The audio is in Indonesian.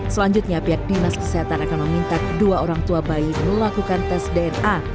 selanjutnya pihak dinas kesehatan akan meminta kedua orang tua bayi melakukan tes dna